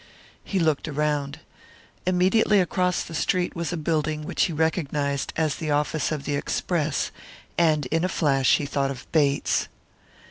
He looked around. Immediately across the street was a building which he recognised as the office of the Express; and in a flash he thought of Bates.